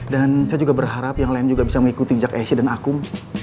dan saya juga berharap yang lain juga bisa mengikuti jak esih dan akum